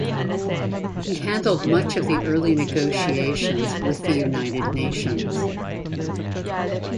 He handled much of the early negotiations with the United Nations.